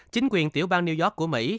chính quyền tiểu bang new york của mỹ